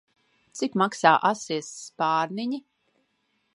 Cik maksā asie spārniņi?